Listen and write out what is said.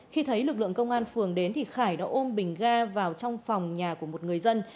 khi thấy lực lượng công an phường đến thì khải đã ôm bình ga vào trong phòng nhà của một người dân